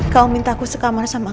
kau minta aku sekamar sama kamu